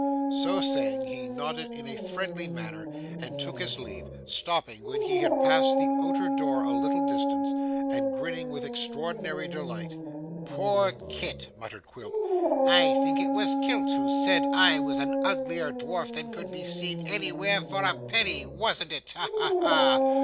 So saying, he nodded in a friendly manner, and took his leave: stopping when he had passed the outer door a little distance, and grinning with extraordinary delight. 'Poor Kit!' muttered Quilp. 'I think it was Kit who said I was an uglier dwarf than could be seen anywhere for a penny, wasn't it. Ha ha ha!